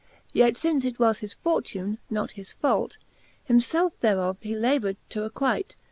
Yet fince it was his fortune, not his fault, Him ielfe thereof he labour'd to acquite.